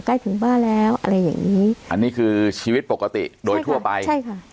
ใกล้ถึงบ้านแล้วอะไรอย่างงี้อันนี้คือชีวิตปกติโดยทั่วไปใช่ค่ะ